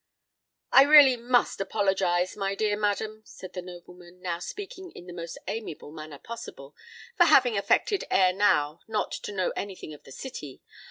"I really must apologise, my dear madam," said the nobleman, now speaking in the most amiable manner possible, "for having affected ere now not to know anything of the City.